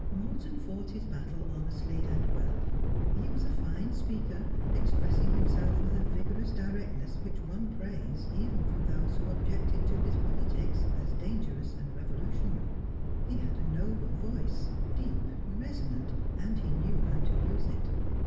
Morton fought his battle honestly and well. He was a fine speaker, expressing himself with a vigorous directness which won praise even from those who objected to his politics as dangerous and revolutionary. He had a noble voice — deep, resonant — and he knew how to use it.